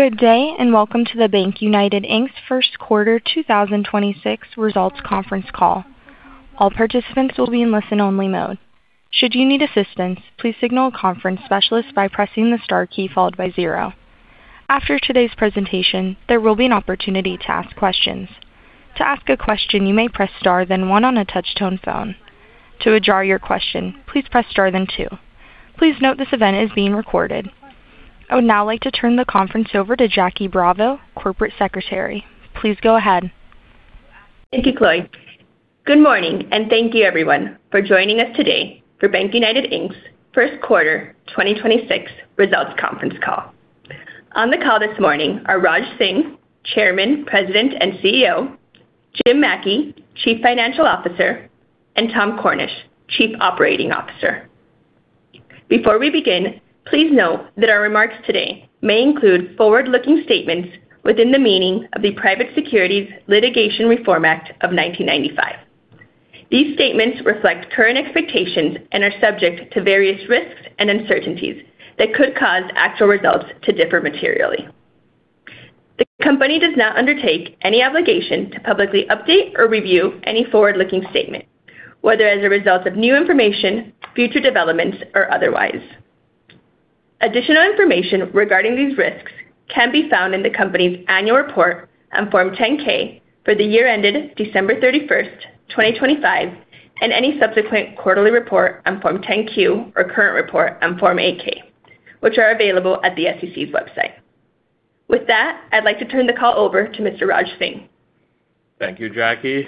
Good day, and welcome to the BankUnited, Inc.'s first quarter 2026 results conference call. All participants will be in listen-only mode. Should you need assistance, please signal a conference specialist by pressing the star key followed by zero. After today's presentation, there will be an opportunity to ask questions. To ask a question, you may press star then one on a touch-tone phone. To withdraw your question, please press star then two. Please note this event is being recorded. I would now like to turn the conference over to Jackie Bravo, corporate secretary. Please go ahead. Thank you, Chloe. Good morning, and thank you everyone for joining us today for BankUnited, Inc.'s first quarter 2026 results conference call. On the call this morning are Raj Singh, Chairman, President, and CEO, Jim Mackey, Chief Financial Officer, and Tom Cornish, Chief Operating Officer. Before we begin, please note that our remarks today may include forward-looking statements within the meaning of the Private Securities Litigation Reform Act of 1995. These statements reflect current expectations and are subject to various risks and uncertainties that could cause actual results to differ materially. The company does not undertake any obligation to publicly update or review any forward-looking statement, whether as a result of new information, future developments, or otherwise. Additional information regarding these risks can be found in the company's annual report on Form 10-K for the year ended December 31st, 2025, and any subsequent quarterly report on Form 10-Q or current report on Form 8-K, which are available at the SEC's website. With that, I'd like to turn the call over to Mr. Raj Singh. Thank you, Jackie.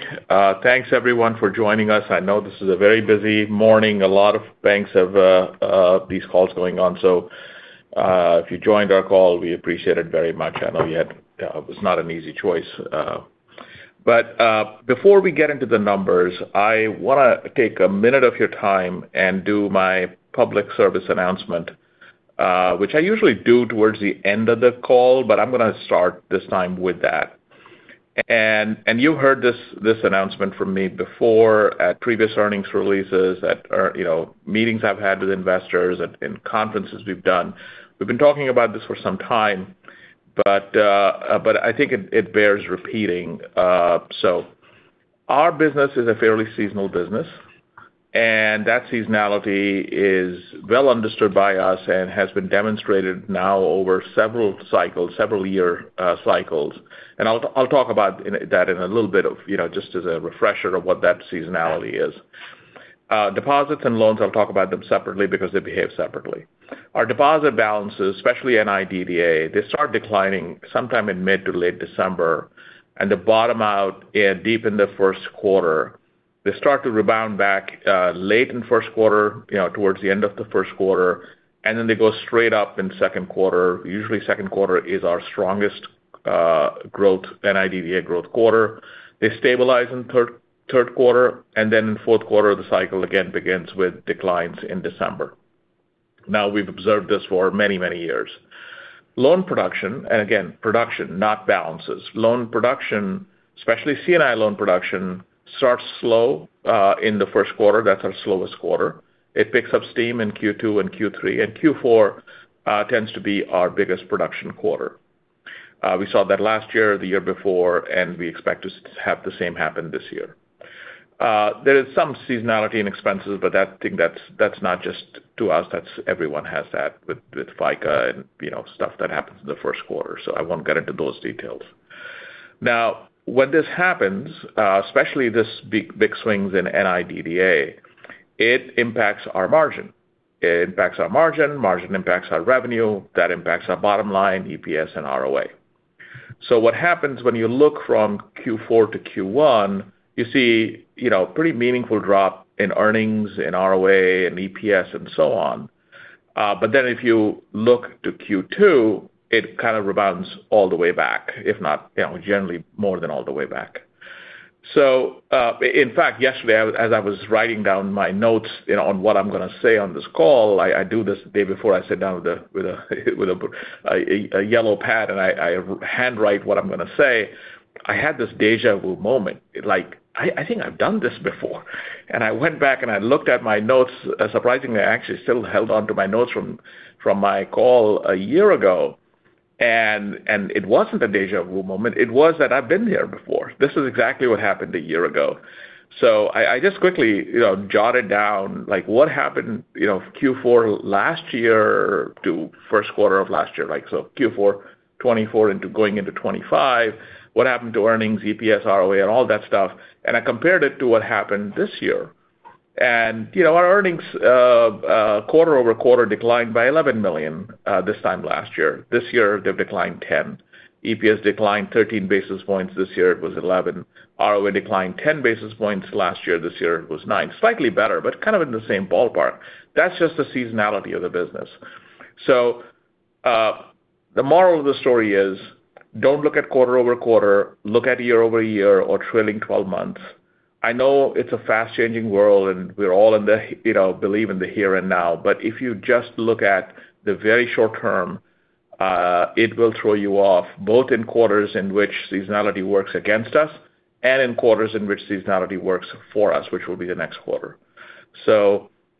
Thanks everyone for joining us. I know this is a very busy morning. A lot of banks have these calls going on, so if you joined our call, we appreciate it very much. I know it was not an easy choice. Before we get into the numbers, I want to take a minute of your time and do my public service announcement which I usually do towards the end of the call, but I'm going to start this time with that. You heard this announcement from me before at previous earnings releases, at meetings I've had with investors, and in conferences we've done. We've been talking about this for some time, but I think it bears repeating. Our business is a fairly seasonal business, and that seasonality is well understood by us and has been demonstrated now over several year cycles. I'll talk about that in a little bit just as a refresher of what that seasonality is. Deposits and loans, I'll talk about them separately because they behave separately. Our deposit balances, especially NIDDA, they start declining sometime in mid to late December and they bottom out deep in the first quarter. They start to rebound back late in first quarter, towards the end of the first quarter, and then they go straight up in second quarter. Usually second quarter is our strongest NIDDA growth quarter. They stabilize in third quarter, and then in fourth quarter, the cycle again begins with declines in December. Now we've observed this for many, many years. Loan production, again, production, not balances. Loan production, especially C&I loan production, starts slow in the first quarter. That's our slowest quarter. It picks up steam in Q2 and Q3, and Q4 tends to be our biggest production quarter. We saw that last year, the year before, and we expect to have the same happen this year. There is some seasonality in expenses, but I think that's not just to us. Everyone has that with FICA and stuff that happens in the first quarter. I won't get into those details. Now when this happens especially these big swings in NIDDA, it impacts our margin. It impacts our margin impacts our revenue, that impacts our bottom line, EPS, and ROA. What happens when you look from Q4-Q1, you see pretty meaningful drop in earnings, in ROA, in EPS and so on. If you look to Q2, it kind of rebounds all the way back, if not, generally more than all the way back. In fact, yesterday, as I was writing down my notes on what I'm going to say on this call, I do this the day before. I sit down with a yellow pad and I hand write what I'm going to say. I had this déjà vu moment. Like, I think I've done this before. I went back and I looked at my notes. Surprisingly, I actually still held onto my notes from my call a year ago, and it wasn't a déjà vu moment. It was that I've been here before. This is exactly what happened a year ago. I just quickly jotted down what happened Q4 last year to first quarter of last year. Q4 2024 going into 2025, what happened to earnings, EPS, ROA, and all that stuff, and I compared it to what happened this year. Our earnings quarter-over-quarter declined by $11 million this time last year. This year, they've declined $10 million. EPS declined 13 basis points. This year it was 11 basis points. ROA declined 10 basis points last year. This year it was 9 basis points. Slightly better, but kind of in the same ballpark. That's just the seasonality of the business. The moral of the story is, don't look at quarter-over-quarter, look at year-over-year or trailing 12 months. I know it's a fast-changing world, and we're all believers in the here and now, but if you just look at the very short term it will throw you off, both in quarters in which seasonality works against us and in quarters in which seasonality works for us, which will be the next quarter.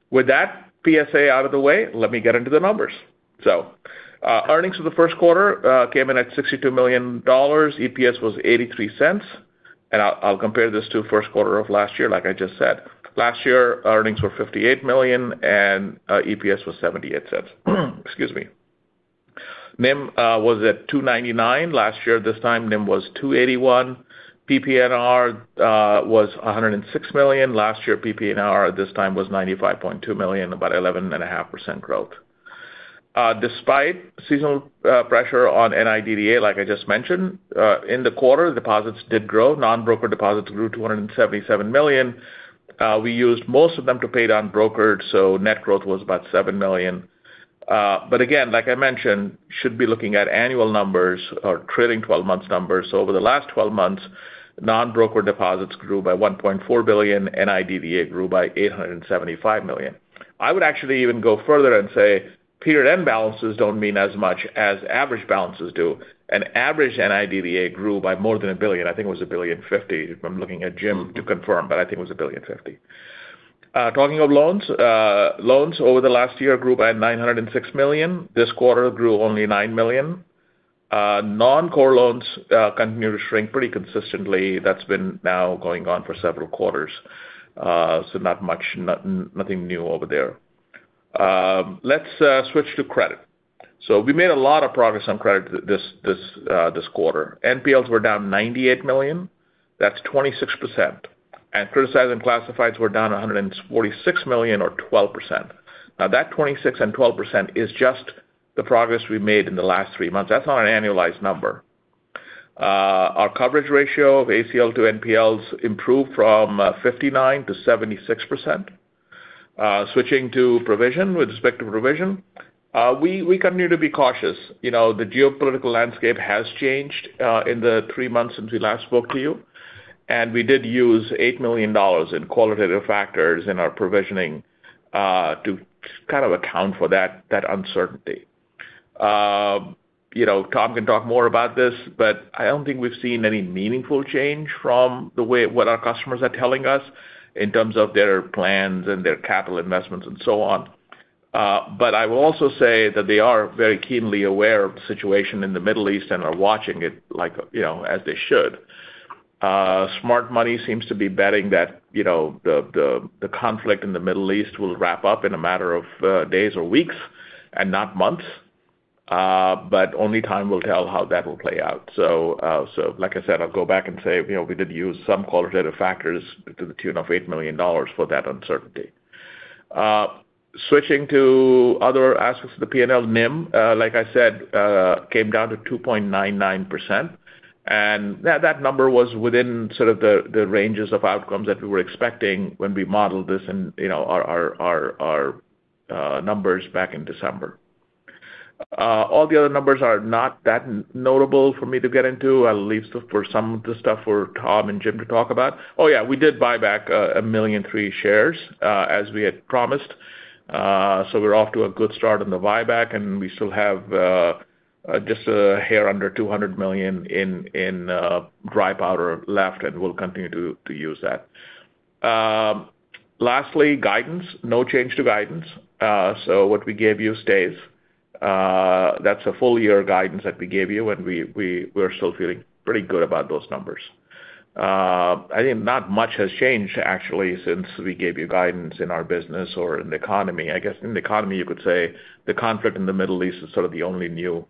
With that PSA out of the way, let me get into the numbers. Earnings for the first quarter came in at $62 million. EPS was $0.83. I'll compare this to first quarter of last year, like I just said. Last year, earnings were $58 million, and EPS was $0.78. Excuse me. NIM was at 2.99%. Last year, this time, NIM was 2.81%. PPNR was $106 million. Last year, PPNR this time was $95.2 million, about 11.5% growth. Despite seasonal pressure on NIDDA, like I just mentioned, in the quarter, deposits did grow. Non-broker deposits grew to $177 million. We used most of them to pay down brokered, so net growth was about $7 million. Again, like I mentioned, should be looking at annual numbers or trailing 12 months numbers. Over the last 12 months, non-broker deposits grew by $1.4 billion, NIDDA grew by $875 million. I would actually even go further and say period end balances don't mean as much as average balances do. Average NIDDA grew by more than a billion. I think it was $1.05 billion. I'm looking at Jim to confirm, but I think it was $1.05 billion. Talking of loans over the last year grew by $906 million. This quarter grew only $9 million. Non-core loans continue to shrink pretty consistently. That's been now going on for several quarters. Not much, nothing new over there. Let's switch to credit. We made a lot of progress on credit this quarter. NPLs were down $98 million. That's 26%. Criticized and classifieds were down $146 million or 12%. Now that 26% and 12% is just the progress we've made in the last three months. That's not an annualized number. Our coverage ratio of ACL to NPLs improved from 59%-76%. Switching to provision, with respect to provision, we continue to be cautious. The geopolitical landscape has changed in the three months since we last spoke to you, and we did use $8 million in qualitative factors in our provisioning to kind of account for that uncertainty. Tom can talk more about this, but I don't think we've seen any meaningful change from what our customers are telling us in terms of their plans and their capital investments and so on. I will also say that they are very keenly aware of the situation in the Middle East and are watching it like as they should. Smart money seems to be betting that the conflict in the Middle East will wrap up in a matter of days or weeks and not months. Only time will tell how that will play out. Like I said, I'll go back and say, we did use some qualitative factors to the tune of $8 million for that uncertainty. Switching to other aspects of the P&L NIM, like I said, came down to 2.99%, and that number was within sort of the ranges of outcomes that we were expecting when we modeled this and our numbers back in December. All the other numbers are not that notable for me to get into. I'll leave for some of the stuff for Tom and Jim to talk about. Oh, yeah, we did buy back 1.3 million shares, as we had promised. We're off to a good start on the buyback, and we still have just a hair under $200 million in dry powder left, and we'll continue to use that. Lastly, guidance. No change to guidance. What we gave you stays. That's a full year guidance that we gave you, and we're still feeling pretty good about those numbers. I think not much has changed actually since we gave you guidance in our business or in the economy. I guess in the economy you could say the conflict in the Middle East is sort of the only new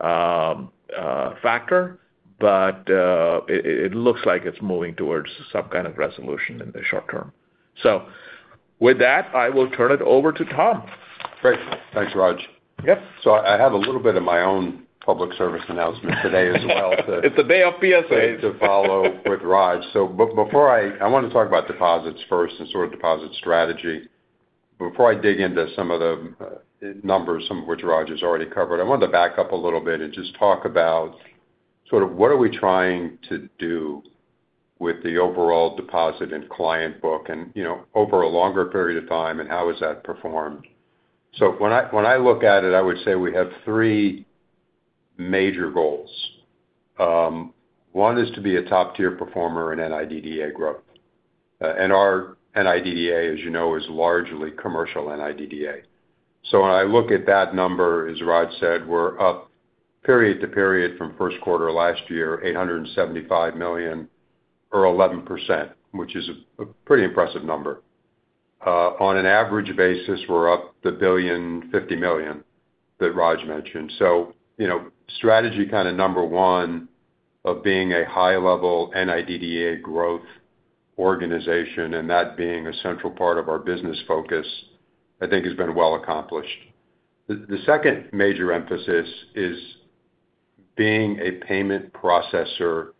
factor, but it looks like it's moving towards some kind of resolution in the short term. With that, I will turn it over to Tom. Great. Thanks, Raj. Yep. I have a little bit of my own public service announcement today as well. It's a day of PSAs. To follow with Raj. I want to talk about deposits first and sort of deposit strategy. Before I dig into some of the numbers, some of which Raj has already covered, I wanted to back up a little bit and just talk about sort of what are we trying to do with the overall deposit and client book and over a longer period of time, and how has that performed? When I look at it, I would say we have three major goals. One is to be a top tier performer in NIDDA growth. Our NIDDA, as you know, is largely commercial NIDDA. When I look at that number, as Raj said, we're up period to period from first quarter last year, $875 million or 11%, which is a pretty impressive number. On an average basis, we're up $1.05 billion that Raj mentioned. Strategy kind of number one of being a high level NIDDA growth organization and that being a central part of our business focus, I think has been well accomplished. The second major emphasis is being a payment processor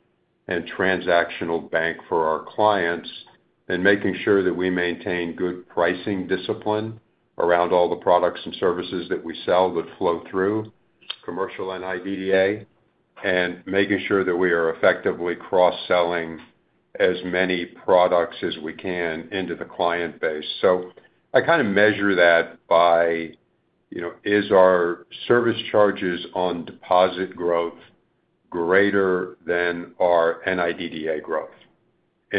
and transactional bank for our clients and making sure that we maintain good pricing discipline around all the products and services that we sell that flow through commercial NIDDA, and making sure that we are effectively cross-selling as many products as we can into the client base. I kind of measure that by is our service charges on deposits growth greater than our NIDDA growth.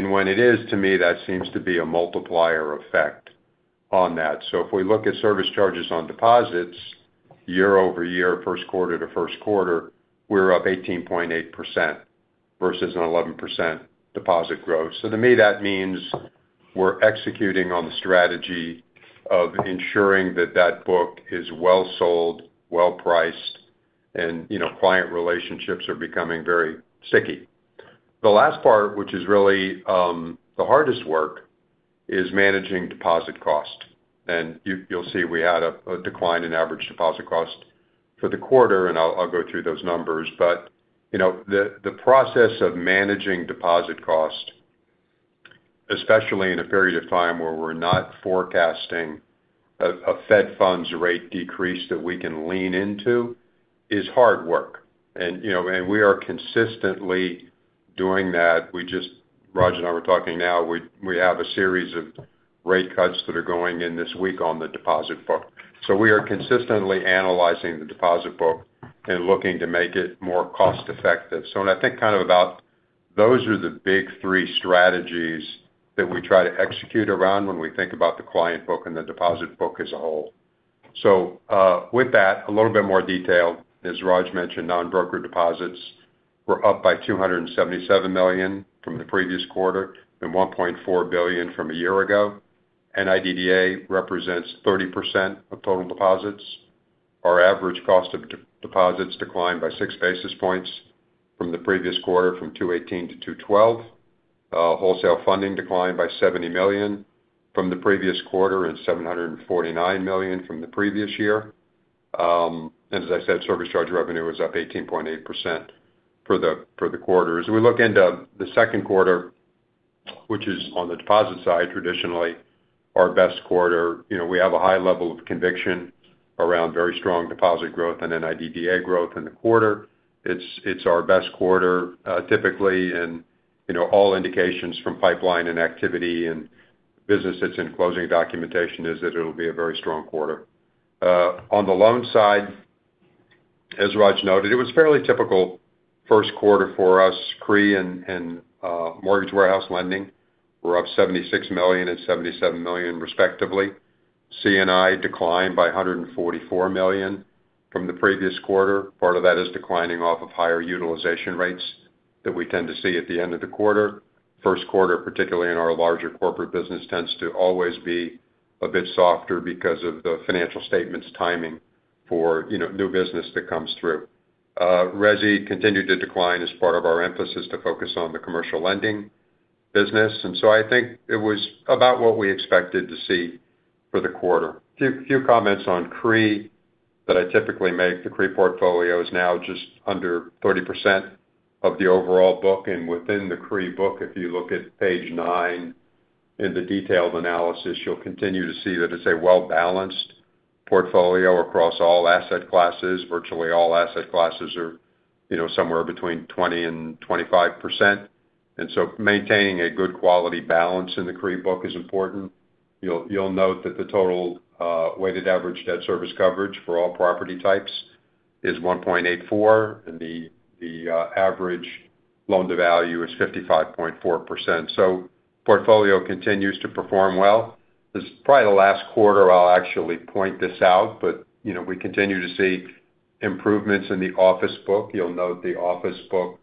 When it is, to me, that seems to be a multiplier effect on that. If we look at service charges on deposits year-over-year, first quarter to first quarter, we're up 18.8% versus an 11% deposit growth. To me, that means we're executing on the strategy of ensuring that book is well sold, well-priced, and client relationships are becoming very sticky. The last part, which is really the hardest work, is managing deposit cost. You'll see we had a decline in average deposit cost for the quarter, and I'll go through those numbers. The process of managing deposit cost, especially in a period of time where we're not forecasting a Fed funds rate decrease that we can lean into, is hard work. We are consistently doing that. Raj and I were talking now, we have a series of rate cuts that are going in this week on the deposit book. We are consistently analyzing the deposit book and looking to make it more cost-effective. When I think about those are the big three strategies that we try to execute around when we think about the client book and the deposit book as a whole. With that, a little bit more detail. As Raj mentioned, non-broker deposits were up by $277 million from the previous quarter and $1.4 billion from a year ago. NIDDA represents 30% of total deposits. Our average cost of deposits declined by 6 basis points from the previous quarter from 218 to 212. Wholesale funding declined by $70 million from the previous quarter and $749 million from the previous year. As I said, service charge revenue was up 18.8% for the quarter. As we look into the second quarter, which is on the deposit side, traditionally our best quarter. We have a high level of conviction around very strong deposit growth and NIDDA growth in the quarter. It's our best quarter, typically, and all indications from pipeline and activity and business that's in closing documentation is that it'll be a very strong quarter. On the loan side, as Raj noted, it was fairly typical first quarter for us, CRE and mortgage warehouse lending were up $76 million and $77 million respectively. C&I declined by $144 million from the previous quarter. Part of that is declining off of higher utilization rates that we tend to see at the end of the quarter. First quarter, particularly in our larger corporate business, tends to always be a bit softer because of the financial statements timing for new business that comes through. Resi continued to decline as part of our emphasis to focus on the commercial lending business. I think it was about what we expected to see for the quarter. Few comments on CRE that I typically make. The CRE portfolio is now just under 30% of the overall book. Within the CRE book, if you look at page nine in the detailed analysis, you'll continue to see that it's a well-balanced portfolio across all asset classes. Virtually all asset classes are somewhere between 20%-25%. Maintaining a good quality balance in the CRE book is important. You'll note that the total weighted average debt service coverage for all property types is 1.84, and the average loan to value is 55.4%. The portfolio continues to perform well. This is probably the last quarter I'll actually point this out, but we continue to see improvements in the office book. You'll note the office book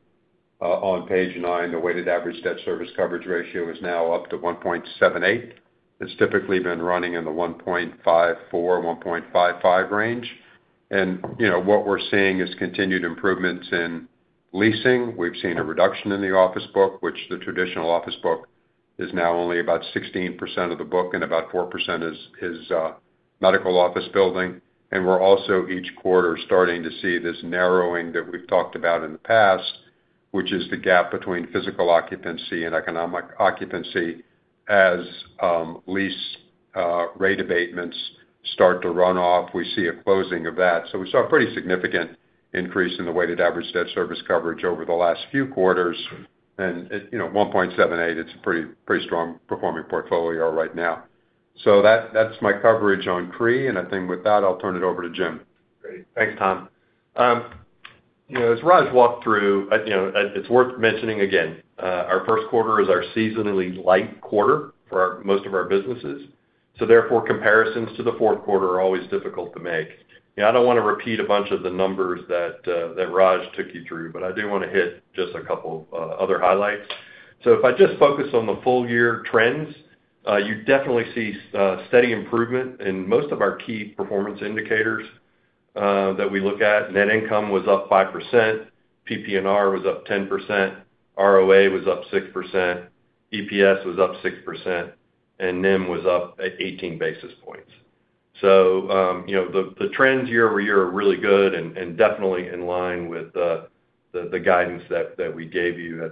on page nine, the weighted average debt service coverage ratio is now up to 1.78. It's typically been running in the 1.54-1.55 range. What we're seeing is continued improvements in leasing. We've seen a reduction in the office book, which the traditional office book is now only about 16% of the book and about 4% is medical office building. We're also each quarter starting to see this narrowing that we've talked about in the past, which is the gap between physical occupancy and economic occupancy as lease rate abatements start to run off. We see a closing of that. We saw a pretty significant increase in the weighted average debt service coverage over the last few quarters. At 1.78, it's a pretty strong performing portfolio right now. That's my coverage on CRE, and I think with that, I'll turn it over to Jim. Great. Thanks, Tom. As Raj walked through, it's worth mentioning again, our first quarter is our seasonally light quarter for most of our businesses. Therefore, comparisons to the fourth quarter are always difficult to make. I don't want to repeat a bunch of the numbers that Raj took you through, but I do want to hit just a couple other highlights. If I just focus on the full-year trends, you definitely see steady improvement in most of our key performance indicators that we look at. Net income was up 5%, PPNR was up 10%, ROA was up 6%, EPS was up 6%, and NIM was up 18 basis points. The trends year-over-year are really good and definitely in line with the guidance that we gave you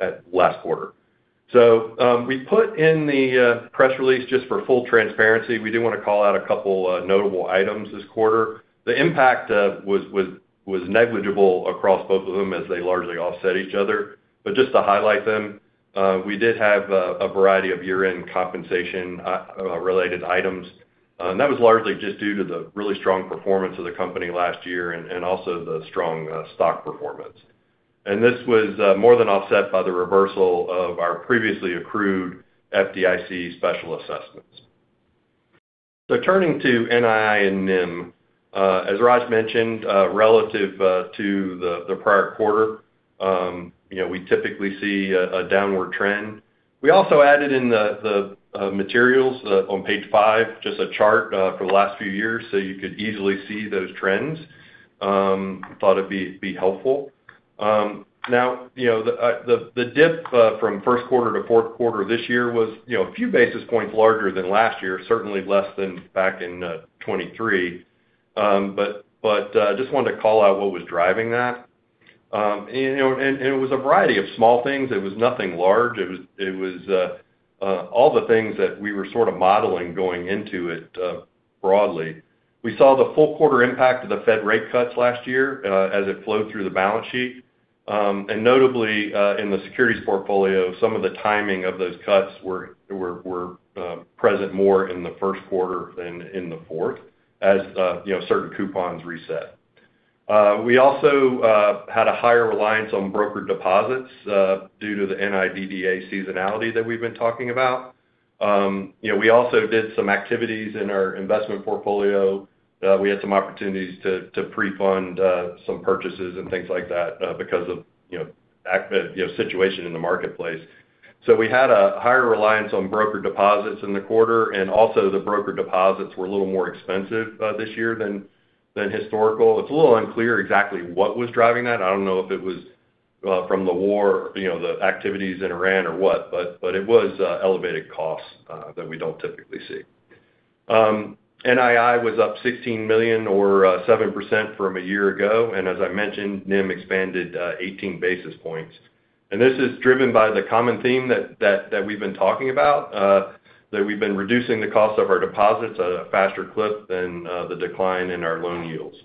at last quarter. We put in the press release just for full transparency. We do want to call out a couple notable items this quarter. The impact was negligible across both of them as they largely offset each other. Just to highlight them, we did have a variety of year-end compensation-related items. That was largely just due to the really strong performance of the company last year and also the strong stock performance. This was more than offset by the reversal of our previously accrued FDIC special assessments. Turning to NII and NIM, as Raj mentioned, relative to the prior quarter, we typically see a downward trend. We also added in the materials on page five, just a chart for the last few years, so you could easily see those trends. Thought it'd be helpful. Now, the dip from first quarter to fourth quarter this year was a few basis points larger than last year, certainly less than back in 2023. Just wanted to call out what was driving that. It was a variety of small things. It was nothing large. It was all the things that we were sort of modeling going into it broadly. We saw the full quarter impact of the Fed rate cuts last year as it flowed through the balance sheet. Notably, in the securities portfolio, some of the timing of those cuts were present more in the first quarter than in the fourth as certain coupons reset. We also had a higher reliance on broker deposits due to the NIDDA seasonality that we've been talking about. We also did some activities in our investment portfolio. We had some opportunities to pre-fund some purchases and things like that because of the situation in the marketplace. We had a higher reliance on broker deposits in the quarter, and also the broker deposits were a little more expensive this year than historical. It's a little unclear exactly what was driving that. I don't know if it was from the war, the activities in Iran or what, but it was elevated costs that we don't typically see. NII was up $16 million or 7% from a year ago. As I mentioned, NIM expanded 18 basis points. This is driven by the common theme that we've been talking about, that we've been reducing the cost of our deposits at a faster clip than the decline in our loan yields.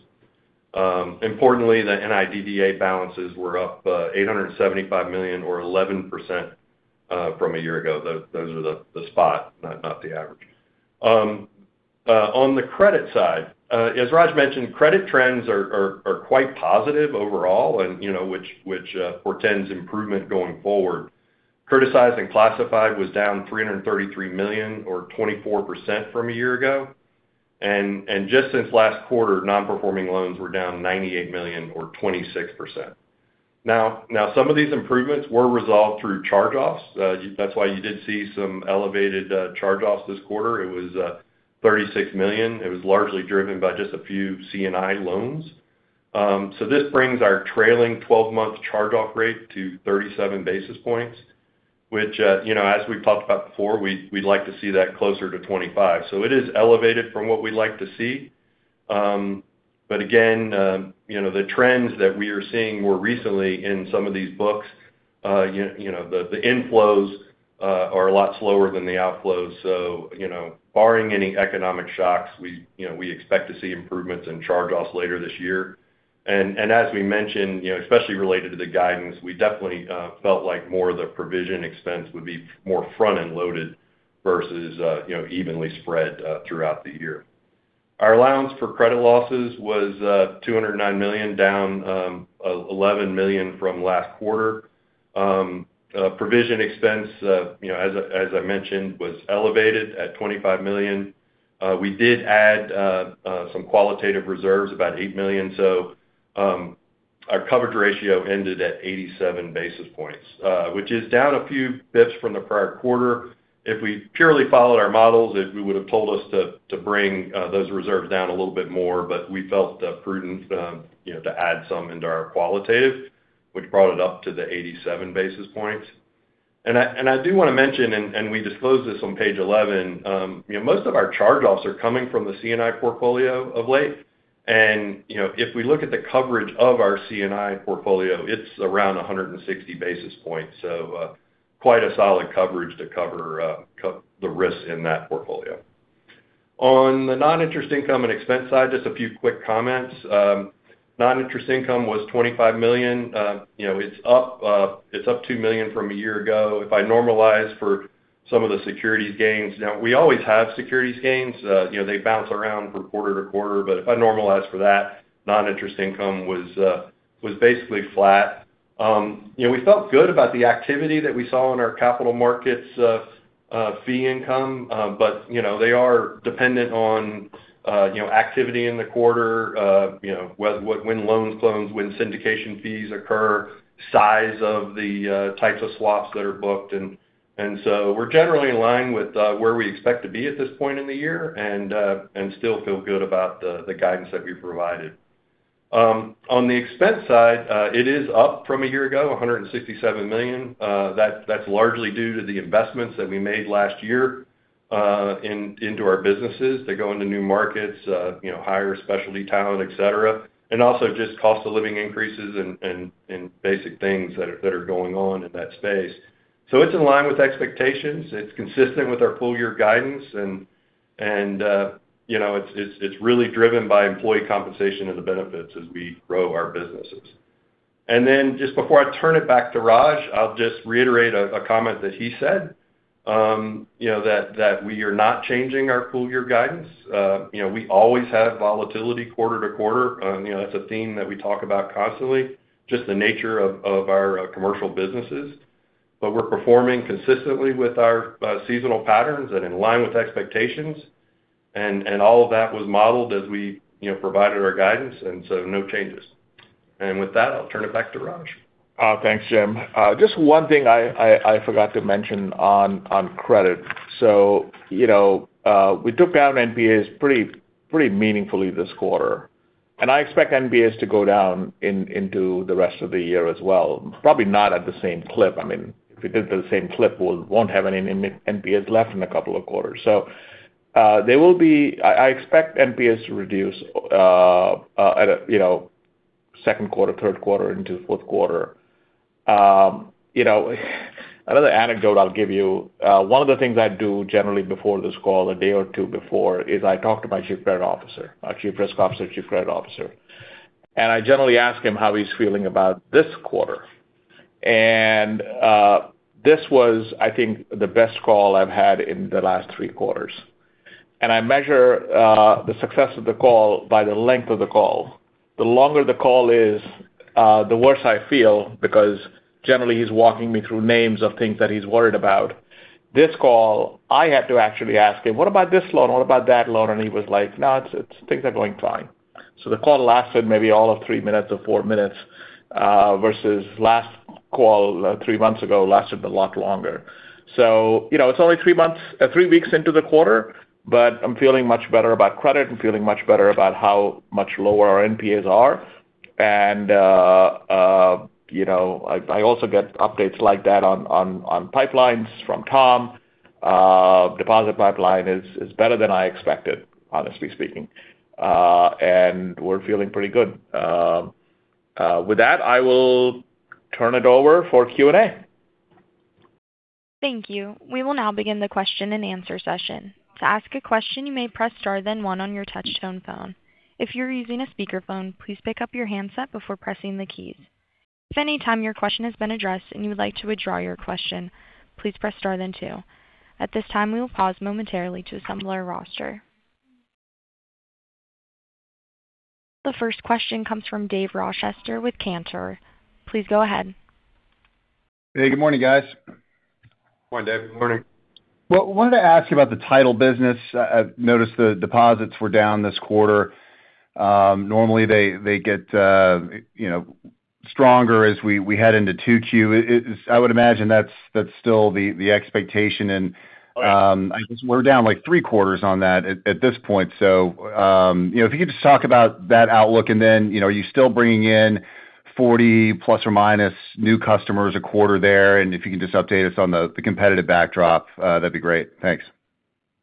Importantly, the NIDDA balances were up $875 million or 11% from a year ago. Those are the spot, not the average. On the credit side, as Raj mentioned, credit trends are quite positive overall and which portends improvement going forward. Criticized and classified was down $333 million or 24% from a year ago. Just since last quarter, non-performing loans were down $98 million or 26%. Now, some of these improvements were resolved through charge-offs. That's why you did see some elevated charge-offs this quarter. It was $36 million. It was largely driven by just a few C&I loans. This brings our trailing 12-month charge-off rate to 37 basis points, which, as we've talked about before, we'd like to see that closer to 25. It is elevated from what we'd like to see. Again, the trends that we are seeing more recently in some of these books, the inflows are a lot slower than the outflows. Barring any economic shocks, we expect to see improvements in charge-offs later this year. As we mentioned, especially related to the guidance, we definitely felt like more of the provision expense would be more front-end loaded versus evenly spread throughout the year. Our allowance for credit losses was $209 million, down $11 million from last quarter. Provision expense, as I mentioned, was elevated at $25 million. We did add some qualitative reserves, about $8 million. Our coverage ratio ended at 87 basis points, which is down a few basis points from the prior quarter. If we purely followed our models, it would have told us to bring those reserves down a little bit more, but we felt prudent to add some into our qualitative, which brought it up to the 87 basis points. I do want to mention, and we disclose this on page 11, most of our charge-offs are coming from the C&I portfolio of late. If we look at the coverage of our C&I portfolio, it's around 160 basis points. Quite a solid coverage to cover the risks in that portfolio. On the non-interest income and expense side, just a few quick comments. Non-interest income was $25 million. It's up $2 million from a year ago. If I normalize for some of the securities gains, now, we always have securities gains. They bounce around from quarter to quarter. If I normalize for that, non-interest income was basically flat. We felt good about the activity that we saw in our capital markets fee income, but they are dependent on activity in the quarter, when loans close, when syndication fees occur, size of the types of swaps that are booked. We're generally in line with where we expect to be at this point in the year and still feel good about the guidance that we've provided. On the expense side, it is up from a year ago, $167 million. That's largely due to the investments that we made last year into our businesses to go into new markets, hire specialty talent, et cetera, and also just cost of living increases and basic things that are going on in that space. It's in line with expectations. It's consistent with our full-year guidance, and it's really driven by employee compensation and the benefits as we grow our businesses. Just before I turn it back to Raj, I'll just reiterate a comment that he said, that we are not changing our full-year guidance. We always have volatility quarter-to-quarter. That's a theme that we talk about constantly, just the nature of our commercial businesses. We're performing consistently with our seasonal patterns and in line with expectations, and all of that was modeled as we provided our guidance, and so no changes. With that, I'll turn it back to Raj. Thanks, Jim. Just one thing I forgot to mention on credit. We took down NPAs pretty meaningfully this quarter, and I expect NPAs to go down into the rest of the year as well, probably not at the same clip. If we did the same clip, we won't have any NPAs left in a couple of quarters. I expect NPAs to reduce in second quarter, third quarter, and fourth quarter. Another anecdote I'll give you. One of the things I do generally before this call, a day or two before, is I talk to my Chief Risk Officer, Chief Credit Officer, and I generally ask him how he's feeling about this quarter. This was, I think, the best call I've had in the last three quarters. I measure the success of the call by the length of the call. The longer the call is, the worse I feel because generally he's walking me through names of things that he's worried about. This call, I had to actually ask him, "What about this loan? What about that loan?" He was like, "No, things are going fine." The call lasted maybe all of three minutes or four minutes, versus last call three months ago lasted a lot longer. It's only three weeks into the quarter, but I'm feeling much better about credit and feeling much better about how much lower our NPAs are. I also get updates like that on pipelines from Tom. Deposit pipeline is better than I expected, honestly speaking. We're feeling pretty good. With that, I will turn it over for Q&A. Thank you. We will now begin the question and answer session. To ask a question, you may press star then one on your touchtone phone. If you're using a speakerphone, please pick up your handset before pressing the keys. If at any time your question has been addressed and you would like to withdraw your question, please press star then two. At this time, we will pause momentarily to assemble our roster. The first question comes from Dave Rochester with Cantor. Please go ahead. Hey, good morning, guys. Good morning, Dave. Good morning. Well, I wanted to ask you about the title business. I've noticed the deposits were down this quarter. Normally they get stronger as we head into 2Q. I would imagine that's still the expectation. Oh, yeah. I guess we're down like three quarters on that at this point. If you could just talk about that outlook and then are you still bringing in 40± new customers a quarter there? If you can just update us on the competitive backdrop that'd be great. Thanks.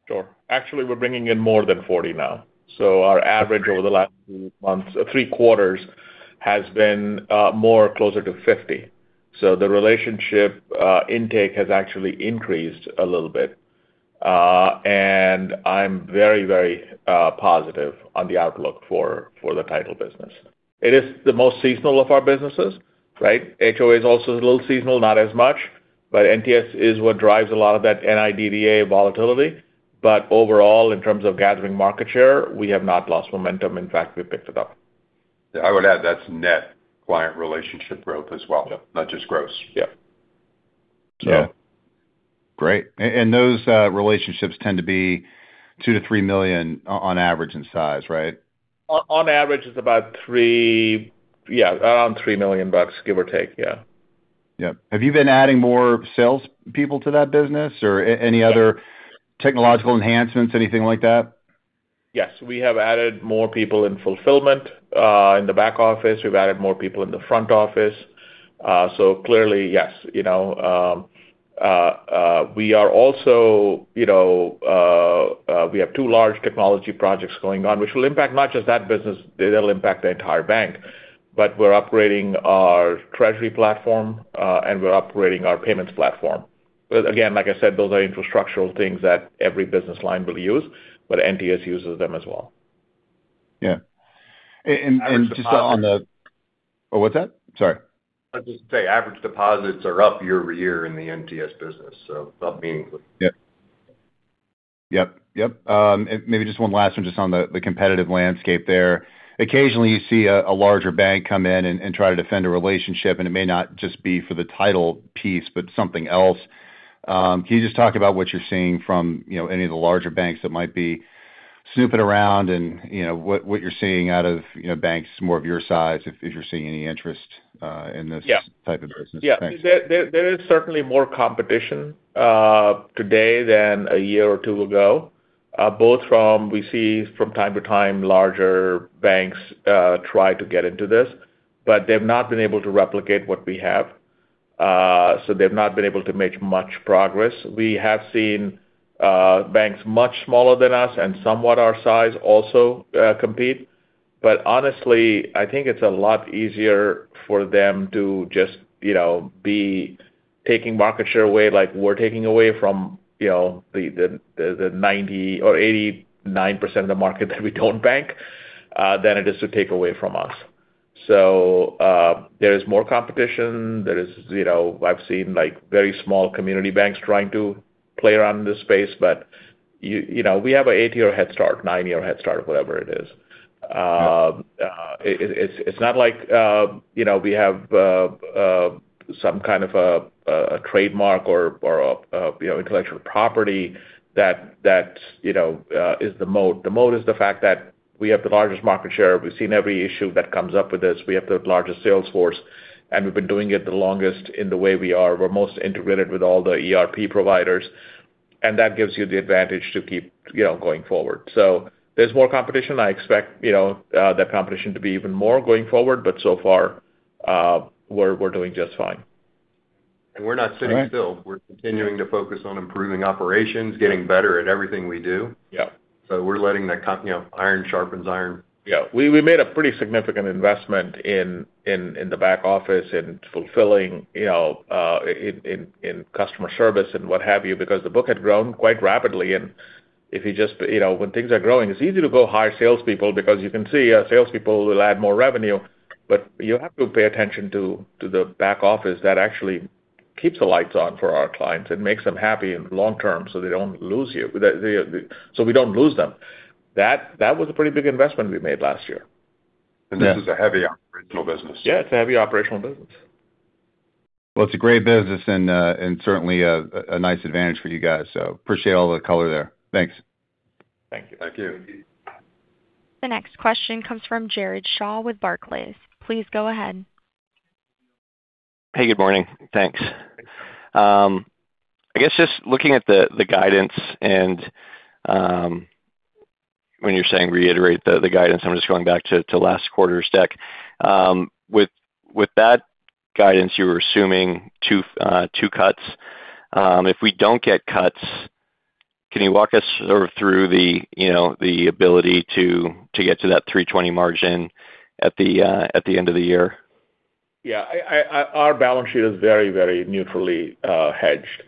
Sure. Actually, we're bringing in more than 40 now. Our average over the last three quarters has been more closer to 50. The relationship intake has actually increased a little bit. I'm very positive on the outlook for the title business. It is the most seasonal of our businesses, right? HOA is also a little seasonal, not as much, but NTS is what drives a lot of that NIDDA volatility. Overall, in terms of gathering market share, we have not lost momentum. In fact, we've picked it up. I would add that's net client relationship growth as well. Yep. Not just gross. Yep. Yeah. Great. Those relationships tend to be $2 million-$3 million on average in size, right? On average it's about three. Yeah, around $3 million, give or take. Yeah. Yep. Have you been adding more sales people to that business or any other technological enhancements, anything like that? Yes. We have added more people in fulfillment in the back office. We've added more people in the front office. Clearly, yes. We have two large technology projects going on, which will impact not just that business, it'll impact the entire bank. We're upgrading our treasury platform, and we're upgrading our payments platform. Again, like I said, those are infrastructural things that every business line will use, but NTS uses them as well. Yeah. Just on the Average deposits. Oh, what's that? Sorry. I was just going to say, average deposits are up year-over-year in the NTS business, so up meaningfully. Yep. Maybe just one last one just on the competitive landscape there. Occasionally you see a larger bank come in and try to defend a relationship, and it may not just be for the title piece, but something else. Can you just talk about what you're seeing from any of the larger banks that might be snooping around and what you're seeing out of banks more of your size if you're seeing any interest in this? Yeah type of business? Thanks. Yeah. There is certainly more competition today than a year or two ago. Both from, we see from time to time larger banks try to get into this, but they've not been able to replicate what we have. They've not been able to make much progress. We have seen banks much smaller than us and somewhat our size also compete. Honestly, I think it's a lot easier for them to just be taking market share away, like we're taking away from the 90% or 89% of the market that we don't bank, than it is to take away from us. There is more competition. I've seen very small community banks trying to play around in this space, but we have an eight-year head start, nine-year head start or whatever it is. It's not like we have some kind of a trademark or intellectual property that is the moat. The moat is the fact that we have the largest market share. We've seen every issue that comes up with this. We have the largest sales force, and we've been doing it the longest in the way we are. We're most integrated with all the ERP providers, and that gives you the advantage to keep going forward. There's more competition. I expect that competition to be even more going forward, but so far, we're doing just fine. We're not sitting still. We're continuing to focus on improving operations, getting better at everything we do. Yeah. We're letting that iron sharpens iron. Yeah. We made a pretty significant investment in the back office, in fulfilling, in customer service and what have you, because the book had grown quite rapidly, and when things are growing, it's easy to go hire salespeople because you can see how salespeople will add more revenue. You have to pay attention to the back office that actually keeps the lights on for our clients and makes them happy in the long term, so we don't lose them. That was a pretty big investment we made last year. This is a heavy operational business. Yeah, it's a heavy operational business. Well, it's a great business and certainly a nice advantage for you guys. Appreciate all the color there. Thanks. Thank you. Thank you. The next question comes from Jared Shaw with Barclays. Please go ahead. Hey, good morning. Thanks. I guess just looking at the guidance and when you're saying reiterate the guidance, I'm just going back to last quarter's deck. With that guidance, you were assuming two cuts. If we don't get cuts, can you walk us through the ability to get to that 3.20% margin at the end of the year? Yeah. Our balance sheet is very neutrally hedged.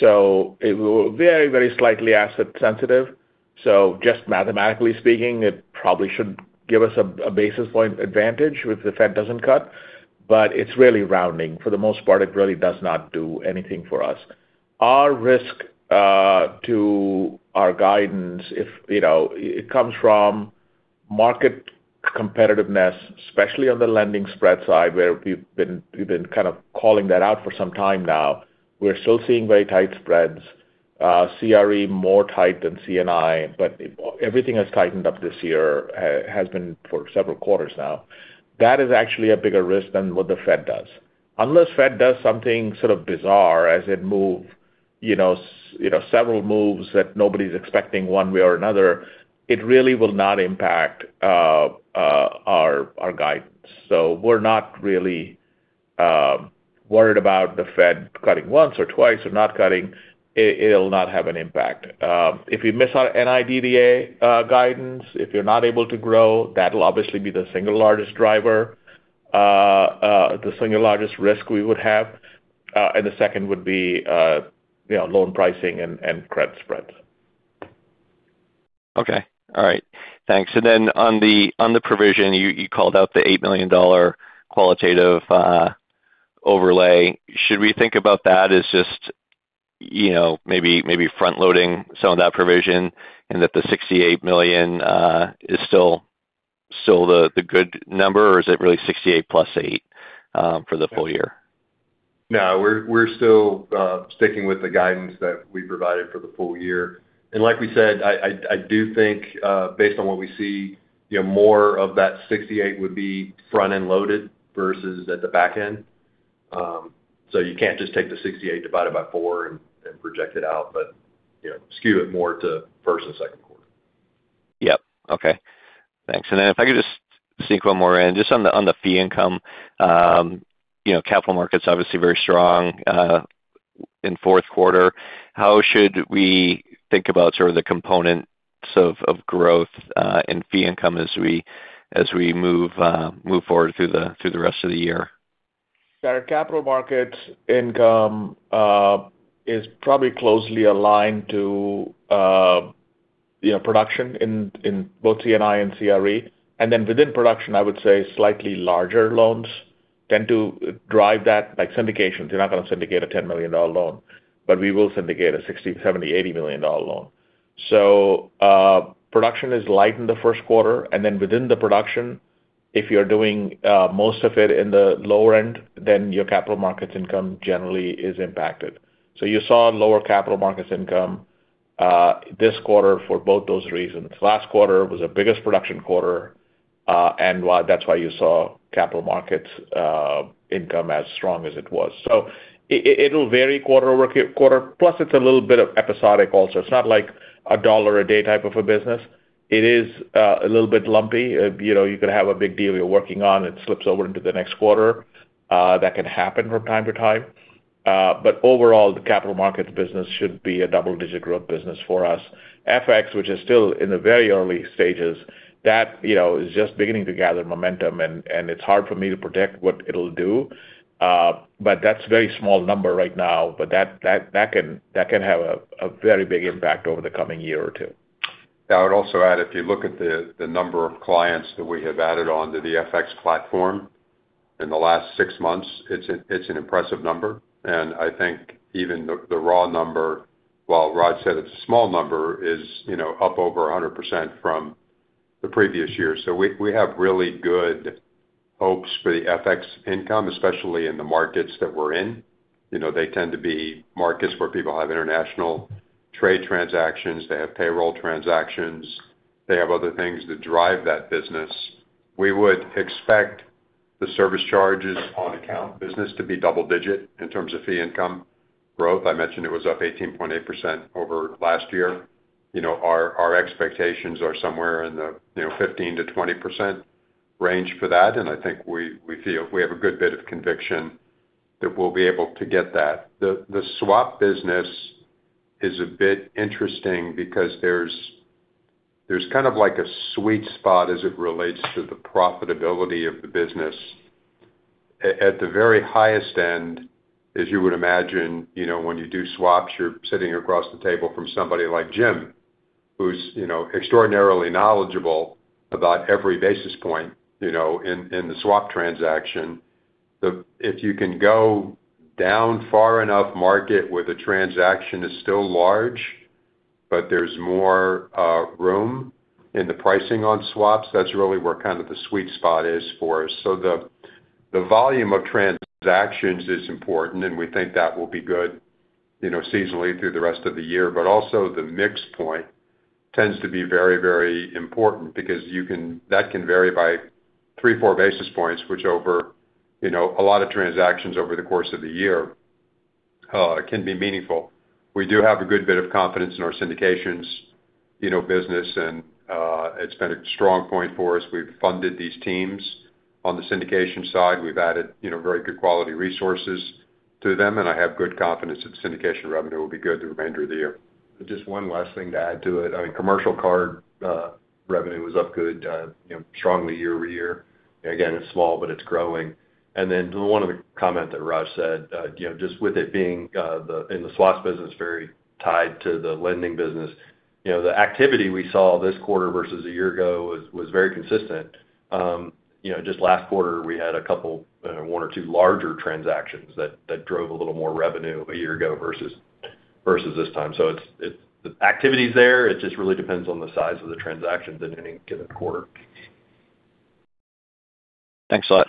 It will very slightly asset sensitive. Just mathematically speaking, it probably should give us a basis point advantage if the Fed doesn't cut. It's really rounding. For the most part, it really does not do anything for us. Our risk to our guidance, it comes from market competitiveness, especially on the lending spread side, where we've been kind of calling that out for some time now. We're still seeing very tight spreads, CRE more tight than C&I, but everything has tightened up this year, has been for several quarters now. That is actually a bigger risk than what the Fed does. Unless Fed does something sort of bizarre as in it moves several moves that nobody's expecting one way or another, it really will not impact our guidance. We're not really worried about the Fed cutting once or twice or not cutting. It'll not have an impact. If we miss our NIDDA guidance, if you're not able to grow, that'll obviously be the single largest driver, the single largest risk we would have, and the second would be loan pricing and credit spreads. Okay. All right. Thanks. On the provision, you called out the $8 million qualitative overlay. Should we think about that as just maybe front-loading some of that provision and that the $68 million is still the good number, or is it really $68 plus $8 for the full year? No, we're still sticking with the guidance that we provided for the full year. Like we said, I do think based on what we see, more of that $68 would be front-end loaded versus at the back end. You can't just take the $68 divided by four and project it out, but skew it more to first and second quarter. Yep. Okay. Thanks. If I could just sneak one more in, just on the fee income, capital markets obviously very strong in fourth quarter. How should we think about sort of the components of growth in fee income as we move forward through the rest of the year? Jared, capital markets income is probably closely aligned to production in both C&I and CRE. Within production, I would say slightly larger loans tend to drive that, like syndications. You're not going to syndicate a $10 million loan. We will syndicate a $60, $70, $80 million loan. Production is light in the first quarter, and then within the production, if you're doing most of it in the lower end, then your capital markets income generally is impacted. You saw lower capital markets income this quarter for both those reasons. Last quarter was our biggest production quarter, and that's why you saw capital markets income as strong as it was. It'll vary quarter-over-quarter. Plus, it's a little bit of episodic also. It's not like a dollar a day type of a business. It is a little bit lumpy. You could have a big deal you're working on. It slips over into the next quarter. That can happen from time to time. Overall, the capital markets business should be a double-digit growth business for us. FX, which is still in the very early stages, that is just beginning to gather momentum, and it's hard for me to predict what it'll do. That's a very small number right now, but that can have a very big impact over the coming year or two. I would also add, if you look at the number of clients that we have added onto the FX platform in the last six months, it's an impressive number. I think even the raw number, while Raj Singh said it's a small number, is up over 100% from the previous year. We have really good hopes for the FX income, especially in the markets that we're in. They tend to be markets where people have international trade transactions, they have payroll transactions, they have other things that drive that business. We would expect the service charges on account business to be double digit in terms of fee income growth. I mentioned it was up 18.8% over last year. Our expectations are somewhere in the 15%-20% range for that, and I think we have a good bit of conviction that we'll be able to get that. The swap business is a bit interesting because there's kind of like a sweet spot as it relates to the profitability of the business. At the very highest end, as you would imagine when you do swaps, you're sitting across the table from somebody like Jim, who's extraordinarily knowledgeable about every basis point in the swap transaction. If you can go down far enough market where the transaction is still large, but there's more room in the pricing on swaps, that's really where kind of the sweet spot is for us. The volume of transactions is important, and we think that will be good seasonally through the rest of the year. Also the mix point tends to be very important because that can vary by 3, 4 basis points, which over a lot of transactions over the course of the year can be meaningful. We do have a good bit of confidence in our syndications business, and it's been a strong point for us. We've funded these teams on the syndication side. We've added very good quality resources to them, and I have good confidence that the syndication revenue will be good the remainder of the year. Just one last thing to add to it. Commercial card revenue was up good, strongly year-over-year. Again, it's small, but it's growing. One other comment that Raj said, just with it being in the swaps business, very tied to the lending business. The activity we saw this quarter versus a year ago was very consistent. Just last quarter, we had one or two larger transactions that drove a little more revenue a year ago versus this time. The activity's there. It just really depends on the size of the transactions in any given quarter. Thanks a lot.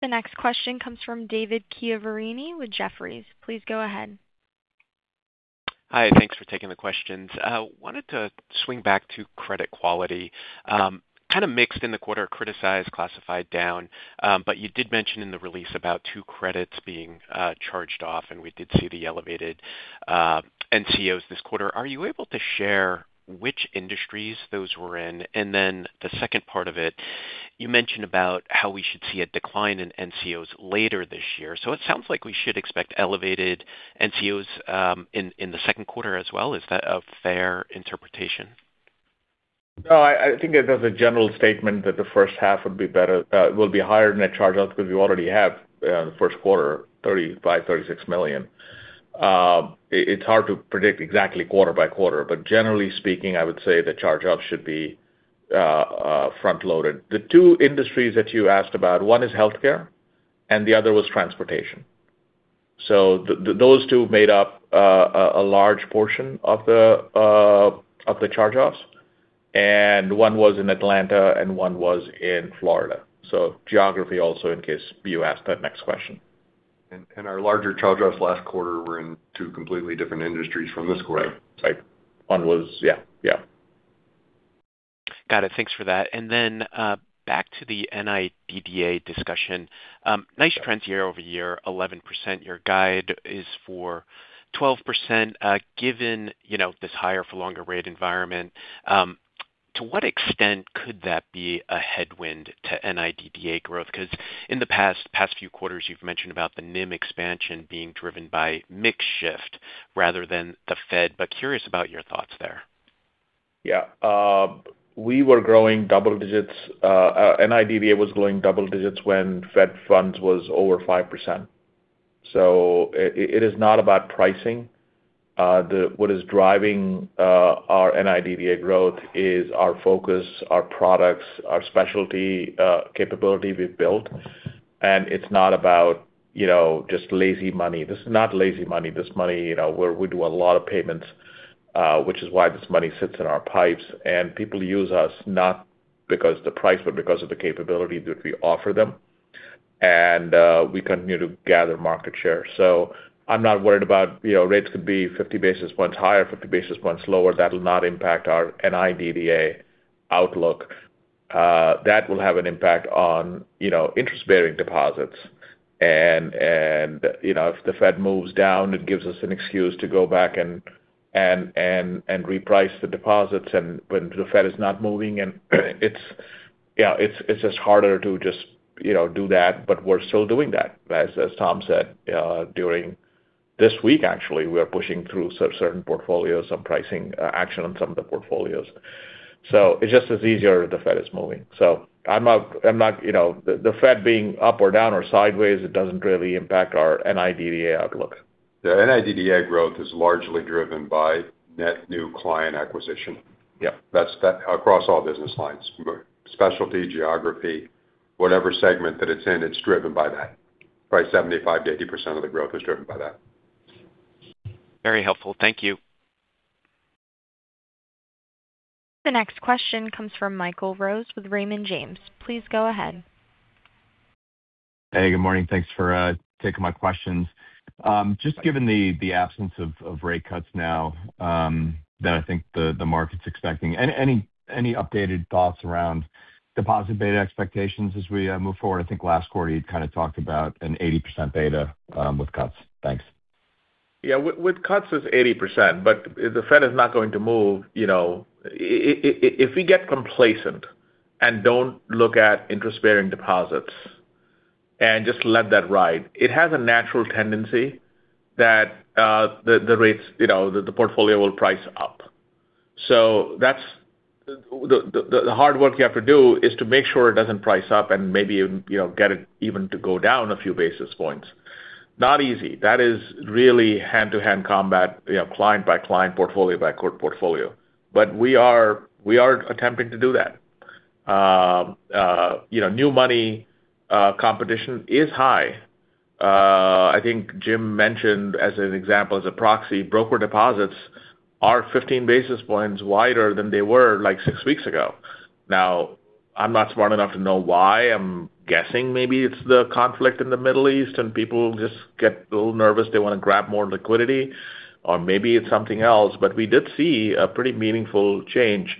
The next question comes from David Chiaverini with Jefferies. Please go ahead. Hi, thanks for taking the questions. Wanted to swing back to credit quality. Kind of mixed in the quarter, criticized, classified down, but you did mention in the release about 2 credits being charged off, and we did see the elevated NCOs this quarter. Are you able to share which industries those were in? And then the second part of it, you mentioned about how we should see a decline in NCOs later this year. It sounds like we should expect elevated NCOs in the second quarter as well. Is that a fair interpretation? No, I think that there's a general statement that the first half will be higher Net Charge-Offs because we already have the first quarter, $35 million-$36 million. It's hard to predict exactly quarter by quarter, but generally speaking, I would say the charge-offs should be front-loaded. The two industries that you asked about, one is healthcare and the other was transportation. Those two made up a large portion of the charge-offs, and one was in Atlanta and one was in Florida. Geography also in case you ask that next question. Our larger charge-offs last quarter were in two completely different industries from this quarter. Right. One was, yeah. Yeah. Got it. Thanks for that. Then back to the NIDDA discussion. Nice trends year-over-year, 11%. Your guide is for 12%. Given this higher for longer rate environment, to what extent could that be a headwind to NIDDA growth? Because in the past few quarters, you've mentioned about the NIM expansion being driven by mix shift rather than the Fed. Curious about your thoughts there. Yeah. NIDDA was growing double digits when Fed funds was over 5%. It is not about pricing. What is driving our NIDDA growth is our focus, our products, our specialty capability we've built, and it's not about just lazy money. This is not lazy money. This money where we do a lot of payments, which is why this money sits in our pipes. People use us not because the price, but because of the capability that we offer them. We continue to gather market share. I'm not worried about rates could be 50 basis points higher, 50 basis points lower. That will not impact our NIDDA outlook. That will have an impact on interest-bearing deposits. If the Fed moves down, it gives us an excuse to go back and reprice the deposits when the Fed is not moving, and it's just harder to just do that. We're still doing that. As Tom said during this week, actually, we are pushing through certain portfolios, some pricing action on some of the portfolios. It's just easier the Fed is moving. The Fed being up or down or sideways, it doesn't really impact our NIDDA outlook. The NIDDA growth is largely driven by net new client acquisition. Yep. That's across all business lines, specialty, geography, whatever segment that it's in, it's driven by that. Probably 75%-80% of the growth is driven by that. Very helpful. Thank you. The next question comes from Michael Rose with Raymond James. Please go ahead. Hey, good morning. Thanks for taking my questions. Just given the absence of rate cuts now that I think the market's expecting, any updated thoughts around deposit beta expectations as we move forward? I think last quarter you'd kind of talked about an 80% beta with cuts. Thanks. Yeah. With cuts it's 80%, but the Fed is not going to move. If we get complacent and don't look at interest-bearing deposits and just let that ride, it has a natural tendency that the rates, the portfolio will price up. That's the hard work you have to do is to make sure it doesn't price up and maybe get it even to go down a few basis points. Not easy. That is really hand-to-hand combat, client-by-client, portfolio-by-portfolio. We are attempting to do that. New money competition is high. I think Jim mentioned as an example, as a proxy, broker deposits are 15 basis points wider than they were like six weeks ago. Now, I'm not smart enough to know why. I'm guessing maybe it's the conflict in the Middle East and people just get a little nervous, they want to grab more liquidity or maybe it's something else. We did see a pretty meaningful change.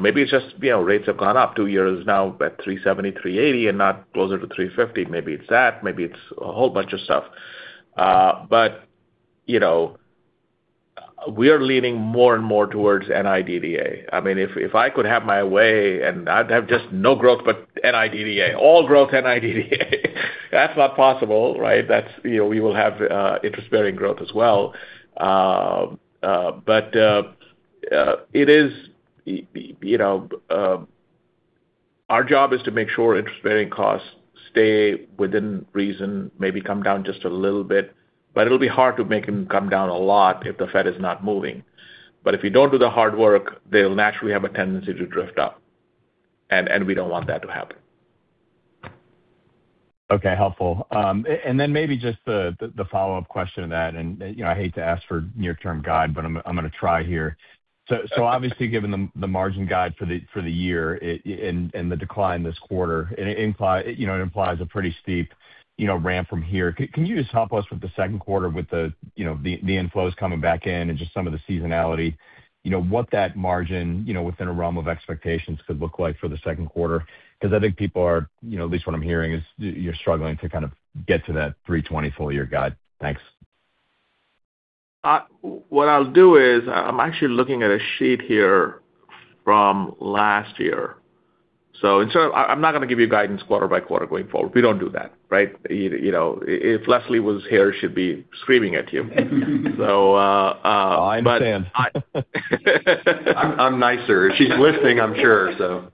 Maybe it's just rates have gone up. Two-year is now at 3.70%-3.80% and not closer to 3.50%. Maybe it's that, maybe it's a whole bunch of stuff. We are leaning more and more towards NIDDA. If I could have my way and I'd have just no growth but NIDDA. All growth NIDDA that's not possible, right? We will have interest-bearing growth as well. Our job is to make sure interest-bearing costs stay within reason, maybe come down just a little bit, but it'll be hard to make them come down a lot if the Fed is not moving. If we don't do the hard work, they'll naturally have a tendency to drift up, and we don't want that to happen. Okay. Helpful. Maybe just the follow-up question to that, and I hate to ask for near term guide, but I'm going to try here. Obviously given the margin guide for the year and the decline this quarter, it implies a pretty steep ramp from here. Can you just help us with the second quarter with the inflows coming back in and just some of the seasonality, what that margin within a realm of expectations could look like for the second quarter? Because I think people are, at least what I'm hearing is you're struggling to kind of get to that 3.20% full year guide. Thanks. What I'll do is I'm actually looking at a sheet here from last year. I'm not going to give you guidance quarter by quarter going forward. We don't do that, right? If Leslie was here she'd be screaming at you. I understand. I'm nicer. She's wincing, I'm sure, so.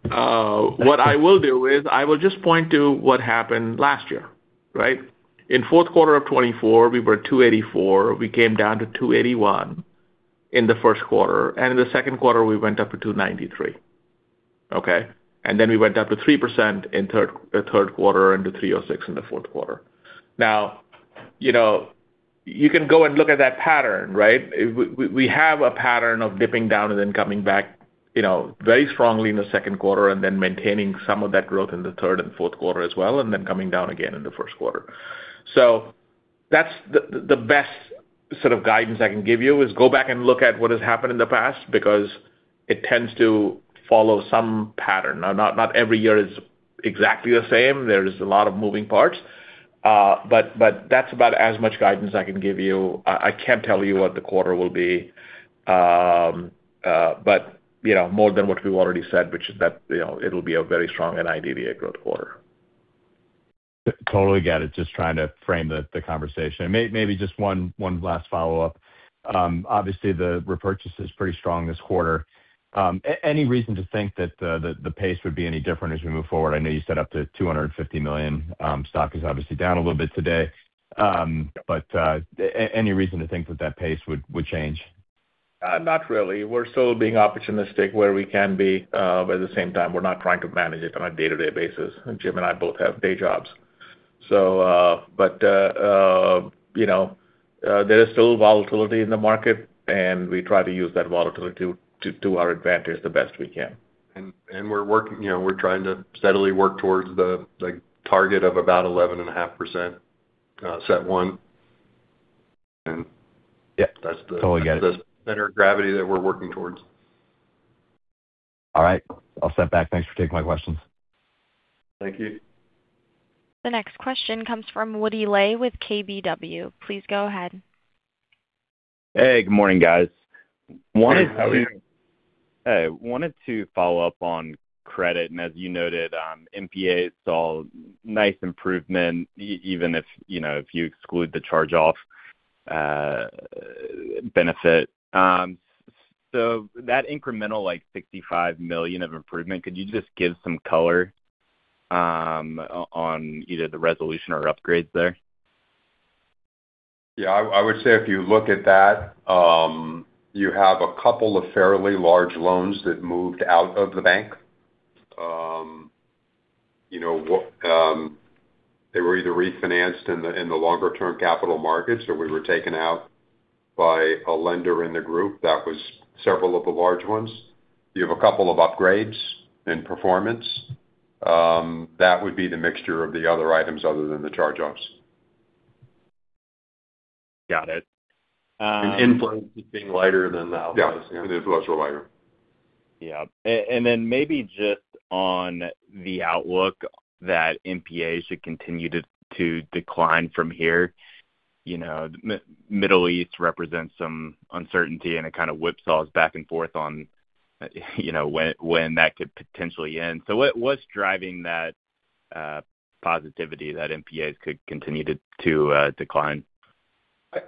What I will do is I will just point to what happened last year, right? In fourth quarter of 2024 we were 284. We came down to 281 in the first quarter, and in the second quarter we went up to 293. Okay? Then we went up to 3% in the third quarter to 306 in the fourth quarter. Now you can go and look at that pattern, right? We have a pattern of dipping down and then coming back very strongly in the second quarter and then maintaining some of that growth in the third and fourth quarter as well, and then coming down again in the first quarter. That's the best sort of guidance I can give you is go back and look at what has happened in the past because it tends to follow some pattern. Not every year is exactly the same. There is a lot of moving parts. That's about as much guidance I can give you. I can't tell you what the quarter will be. More than what we've already said, which is that it'll be a very strong NIDDA growth quarter. Totally get it. Just trying to frame the conversation. Maybe just one last follow-up. Obviously, the repurchase is pretty strong this quarter. Any reason to think that the pace would be any different as we move forward? I know you said up to $250 million. Stock is obviously down a little bit today. But any reason to think that that pace would change? Not really. We're still being opportunistic where we can be. At the same time, we're not trying to manage it on a day-to-day basis. Jim and I both have day jobs. There is still volatility in the market and we try to use that volatility to our advantage the best we can. We're trying to steadily work towards the target of about 11.5% CET1. Yeah. Totally get it. That's the center of gravity that we're working towards. All right. I'll step back. Thanks for taking my questions. Thank you. The next question comes from Woody Lay with KBW. Please go ahead. Hey, good morning, guys. How are you? Hey. I wanted to follow up on credit, and as you noted, NPAs saw nice improvement, even if you exclude the charge-off benefit. That incremental $65 million of improvement, could you just give some color on either the resolution or upgrades there? Yeah. I would say if you look at that, you have a couple of fairly large loans that moved out of the bank. They were either refinanced in the longer-term capital markets or were taken out by a lender in the group. That was several of the large ones. You have a couple of upgrades in performance. That would be the mixture of the other items other than the charge-offs. Got it. The inflows are being lower than the outflows. Yes. The influence was lighter. Yeah. Maybe just on the outlook that NPA should continue to decline from here. Middle East represents some uncertainty, and it kind of whipsaws back and forth on when that could potentially end. What's driving that positivity that NPAs could continue to decline?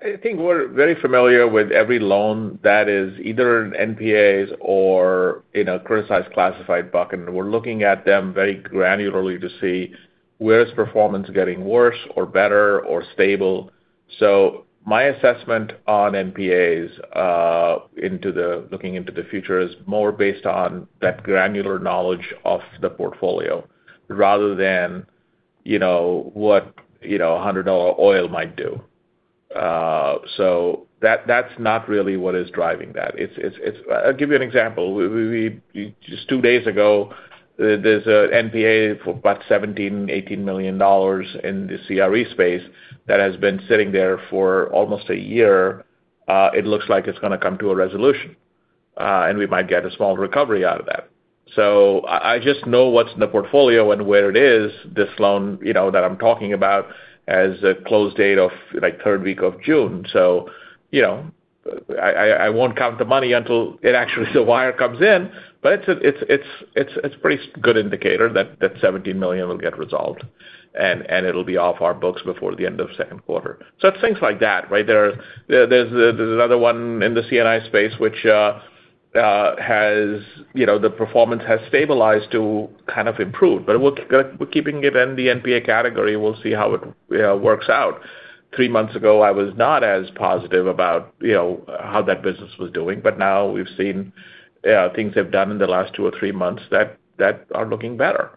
I think we're very familiar with every loan that is either in NPAs or in a criticized classified bucket. We're looking at them very granularly to see where is performance getting worse or better or stable. My assessment on NPAs looking into the future is more based on that granular knowledge of the portfolio rather than what $100 oil might do. That's not really what is driving that. I'll give you an example. Just two days ago, there's an NPA for about $17 million-$18 million in the CRE space that has been sitting there for almost a year. It looks like it's going to come to a resolution. We might get a small recovery out of that. I just know what's in the portfolio and where it is. This loan that I'm talking about has a close date of third week of June. I won't count the money until the wire comes in, but it's a pretty good indicator that $17 million will get resolved, and it'll be off our books before the end of second quarter. It's things like that, right? There's another one in the C&I space which the performance has stabilized to kind of improve. We're keeping it in the NPA category. We'll see how it works out. Three months ago, I was not as positive about how that business was doing. Now we've seen things they've done in the last two or three months that are looking better.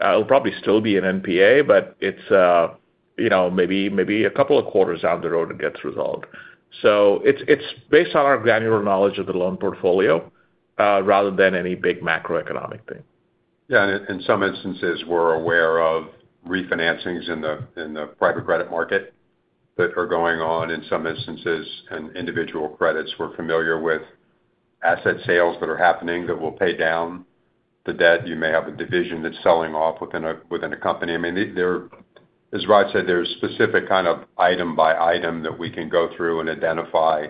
It'll probably still be an NPA, but it's maybe a couple of quarters down the road it gets resolved. It's based on our granular knowledge of the loan portfolio rather than any big macroeconomic thing. Yeah, in some instances, we're aware of refinancings in the private credit market that are going on in some instances in individual credits. We're familiar with asset sales that are happening that will pay down the debt. You may have a division that's selling off within a company. As Raj said, there's specific kind of item by item that we can go through and identify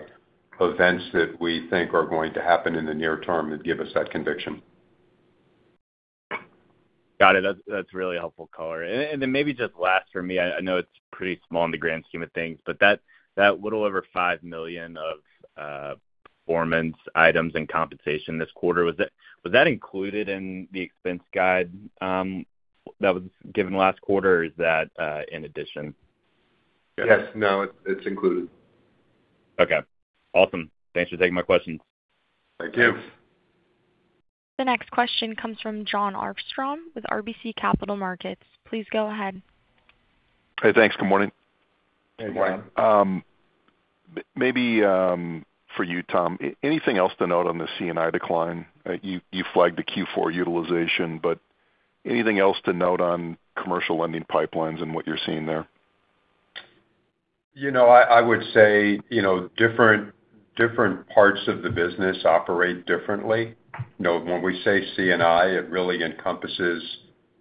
events that we think are going to happen in the near term that give us that conviction. Got it. That's really helpful color. Maybe just last for me, I know it's pretty small in the grand scheme of things, but that little over $5 million of performance items and compensation this quarter, was that included in the expense guide that was given last quarter, or is that in addition? Yes. No, it's included. Okay. Awesome. Thanks for taking my questions. Thank you. The next question comes from Jon Arfstrom with RBC Capital Markets. Please go ahead. Hey, thanks. Good morning. Hey, Jon. Maybe for you, Tom, anything else to note on the C&I decline? You flagged the Q4 utilization, but anything else to note on commercial lending pipelines and what you're seeing there? I would say different parts of the business operate differently. When we say C&I, it really encompasses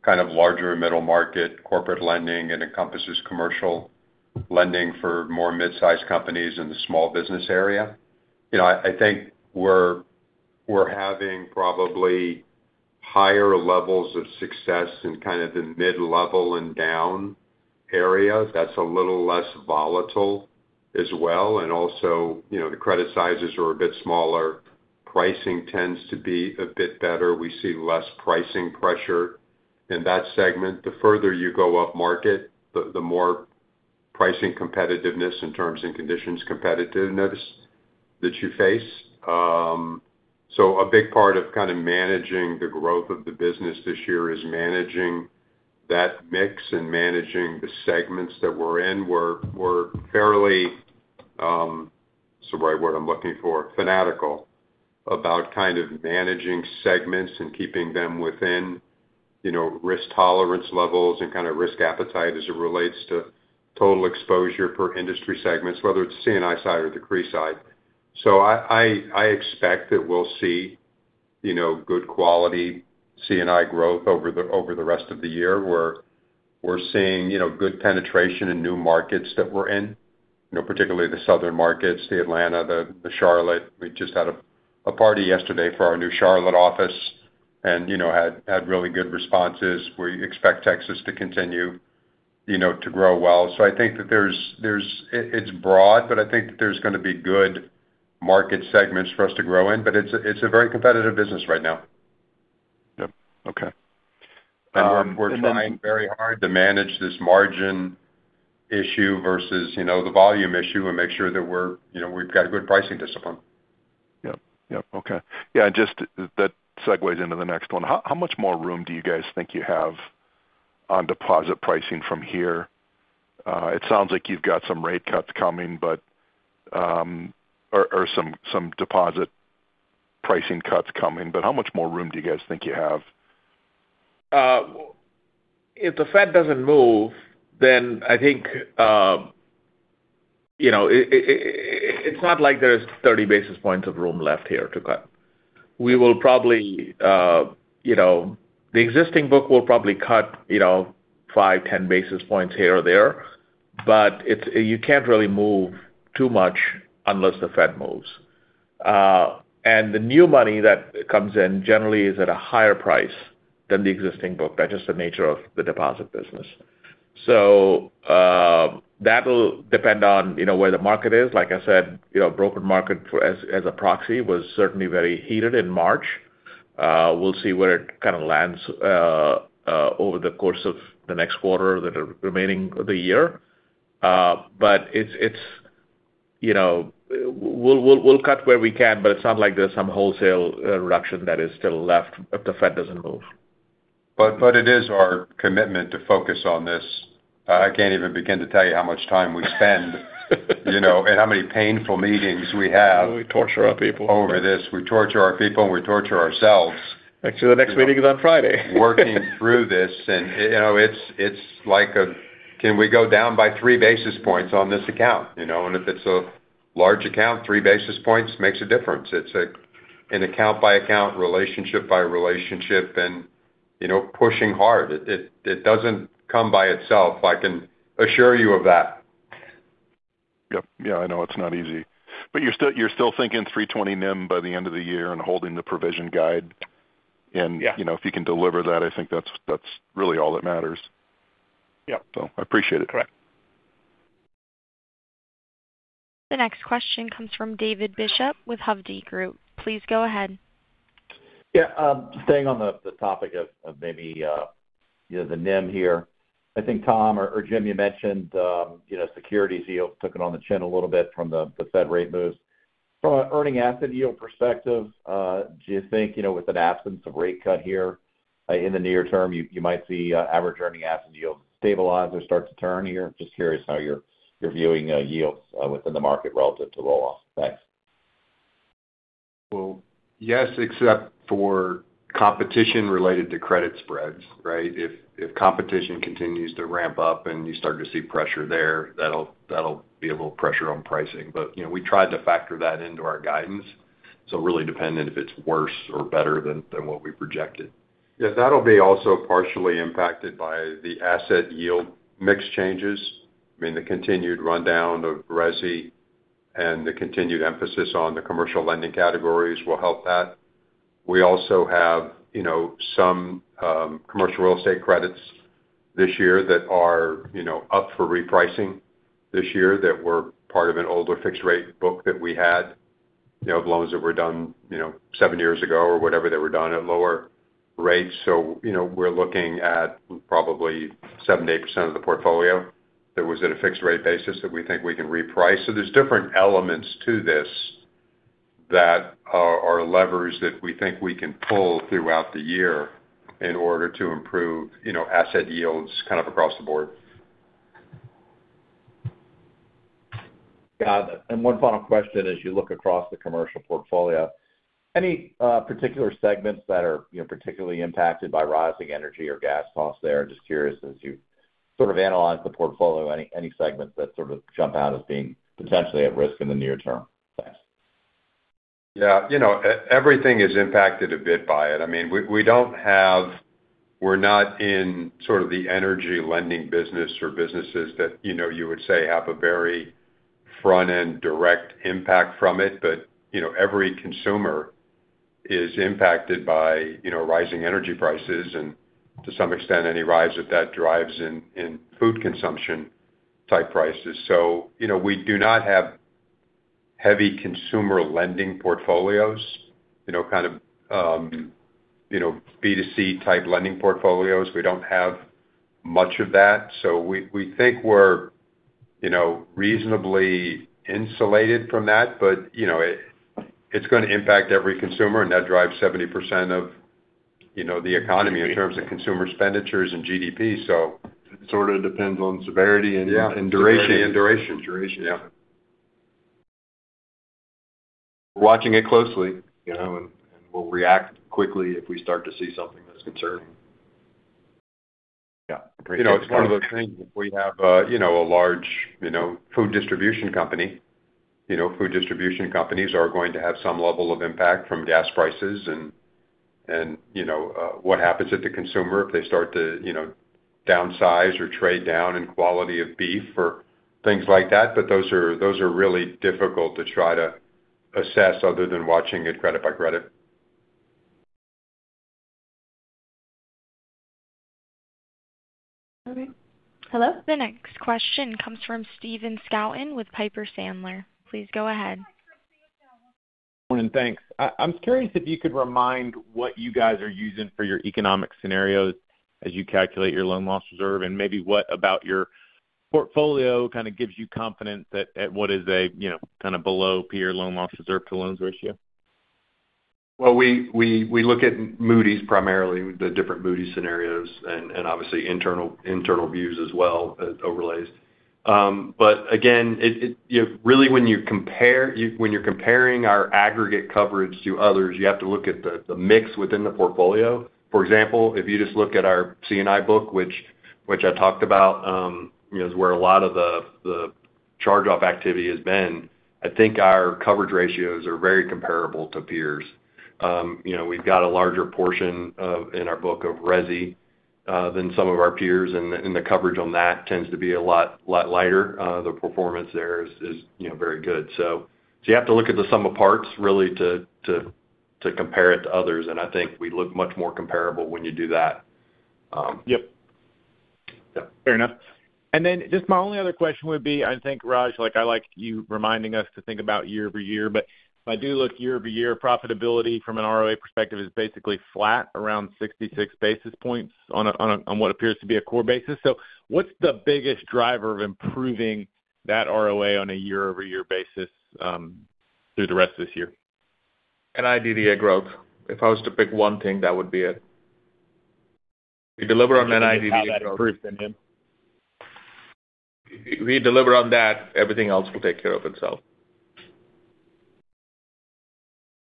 kind of larger middle-market corporate lending and encompasses commercial lending for more mid-size companies in the small business area. I think we're having probably higher levels of success in kind of the mid-level and down areas that's a little less volatile as well. The credit sizes are a bit smaller. Pricing tends to be a bit better. We see less pricing pressure in that segment. The further you go up market, the more pricing competitiveness in terms and conditions competitiveness that you face. A big part of kind of managing the growth of the business this year is managing that mix and managing the segments that we're in. We're fairly, what's the right word I'm looking for, fanatical about kind of managing segments and keeping them within You know, risk tolerance levels and kind of risk appetite as it relates to total exposure per industry segments, whether it's C&I side or the CRE side. I expect that we'll see good quality C&I growth over the rest of the year, where we're seeing good penetration in new markets that we're in. Particularly the southern markets, the Atlanta, the Charlotte. We just had a party yesterday for our new Charlotte office and had really good responses. We expect Texas to continue to grow well. I think that it's broad, but I think that there's going to be good market segments for us to grow in. It's a very competitive business right now. Yep. Okay. We're trying very hard to manage this margin issue versus the volume issue and make sure that we've got good pricing discipline. Yep. Okay. Yeah, just that segues into the next one. How much more room do you guys think you have on deposit pricing from here? It sounds like you've got some rate cuts coming, or some deposit pricing cuts coming, but how much more room do you guys think you have? If the Fed doesn't move, then I think it's not like there's 30 basis points of room left here to cut. The existing book we'll probably cut 5, 10 basis points here or there, but you can't really move too much unless the Fed moves. The new money that comes in generally is at a higher price than the existing book. That's just the nature of the deposit business. That'll depend on where the market is. Like I said, brokered market as a proxy was certainly very heated in March. We'll see where it kind of lands over the course of the next quarter, the remainder of the year. We'll cut where we can, but it's not like there's some wholesale reduction that is still left if the Fed doesn't move. It is our commitment to focus on this. I can't even begin to tell you how much time we spend and how many painful meetings we have. We torture our people. over this. We torture our people, and we torture ourselves. Actually, the next meeting is on Friday. Working through this. It's like, can we go down by three basis points on this account? If it's a large account, three basis points makes a difference. It's an account-by-account, relationship-by-relationship, and pushing hard. It doesn't come by itself, I can assure you of that. Yep. Yeah, I know it's not easy. You're still thinking 320 NIM by the end of the year and holding the provision guidance? Yeah. If you can deliver that, I think that's really all that matters. Yep. I appreciate it. Correct. The next question comes from David Bishop with Hovde Group. Please go ahead. Yeah. Staying on the topic of maybe the NIM here. I think, Tom or Jim, you mentioned securities yield took it on the chin a little bit from the Fed rate moves. From an earning asset yield perspective, do you think, with an absence of rate cut here in the near term, you might see average earning asset yield stabilize or start to turn here? I'm just curious how you're viewing yields within the market relative to roll off. Thanks. Well, yes, except for competition related to credit spreads, right? If competition continues to ramp up and you start to see pressure there, that'll put pressure on pricing. We tried to factor that into our guidance, so really dependent if it's worse or better than what we projected. Yeah, that'll be also partially impacted by the asset yield mix changes. I mean, the continued rundown of resi and the continued emphasis on the commercial lending categories will help that. We also have some commercial real estate credits this year that are up for repricing this year that were part of an older fixed rate book that we had, of loans that were done seven years ago or whatever, that were done at lower rates. We're looking at probably 7%-8% of the portfolio that was at a fixed rate basis that we think we can reprice. There's different elements to this that are levers that we think we can pull throughout the year in order to improve asset yields kind of across the board. Got it. One final question. As you look across the commercial portfolio, any particular segments that are particularly impacted by rising energy or gas costs there? Just curious, as you sort of analyze the portfolio, any segments that sort of jump out as being potentially at risk in the near term? Thanks. Yeah. Everything is impacted a bit by it. We're not in sort of the energy lending business or businesses that you would say have a very front-end direct impact from it. Every consumer is impacted by rising energy prices, and to some extent, any rise that that drives in food consumption type prices. We do not have heavy consumer lending portfolios, kind of B2C type lending portfolios. We don't have much of that. We think we're reasonably insulated from that. It's going to impact every consumer, and that drives 70% of the economy in terms of consumer expenditures and GDP. It sort of depends on severity and duration. Severity and duration. Duration. Yeah. We're watching it closely, and we'll react quickly if we start to see something that's concerning. Yeah. I appreciate the time. It's one of those things, if we have a large food distribution company, food distribution companies are going to have some level of impact from gas prices and what happens at the consumer if they start to downsize or trade down in quality of beef or things like that. Those are really difficult to try to assess other than watching it credit-by-credit. Hello? The next question comes from Stephen Scouten with Piper Sandler. Please go ahead. Morning. Thanks. I'm curious if you could remind what you guys are using for your economic scenarios as you calculate your loan loss reserve, and maybe what about your portfolio kind of gives you confidence that at what is a kind of below peer loan loss reserve to loans ratio? Well, we look at Moody's primarily, the different Moody's scenarios, and obviously internal views as well as overlays. Again, really when you're comparing our aggregate coverage to others, you have to look at the mix within the portfolio. For example, if you just look at our C&I book, which I talked about is where a lot of the charge-off activity has been. I think our coverage ratios are very comparable to peers. We've got a larger portion in our book of resi than some of our peers, and the coverage on that tends to be a lot lighter. The performance there is very good. You have to look at the sum of parts really to compare it to others, and I think we look much more comparable when you do that. Yep. Yeah. Fair enough. Just my only other question would be, I think, Raj, I like you reminding us to think about year-over-year, but if I do look year-over-year, profitability from an ROA perspective is basically flat around 66 basis points on what appears to be a core basis. What's the biggest driver of improving that ROA on a year-over-year basis through the rest of this year? NIDDA growth. If I was to pick one thing, that would be it. We deliver on that NIDDA growth, everything else will take care of itself.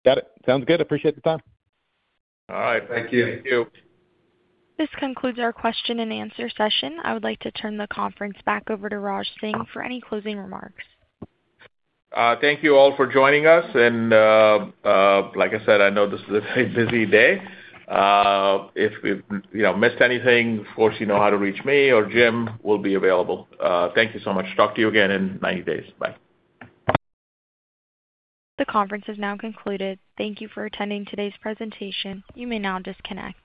Got it. Sounds good. Appreciate the time. All right. Thank you. This concludes our question and answer session. I would like to turn the conference back over to Raj Singh for any closing remarks. Thank you all for joining us, and like I said, I know this is a very busy day. If we've missed anything, of course, you know how to reach me or Jim. We'll be available. Thank you so much. Talk to you again in 90 days. Bye. The conference has now concluded. Thank you for attending today's presentation. You may now disconnect.